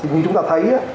như chúng ta thấy